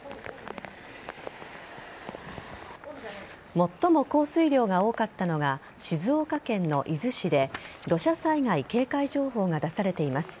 最も降水量が多かったのは静岡県の伊豆市で土砂災害警戒情報が出されています。